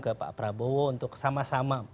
ke pak prabowo untuk sama sama